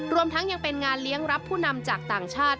รวมทั้งยังเป็นงานเลี้ยงรับผู้นำจากต่างชาติ